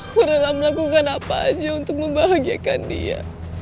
aku udah lakukan apa aja untuk membahagiakan dia